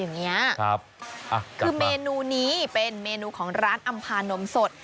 อย่างนี้ครับคือเมนูนี้เป็นเมนูของร้านอำพานมสด